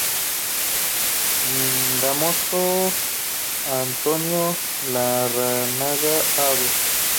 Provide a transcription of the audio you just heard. Dámaso Antonio Larrañaga, Av.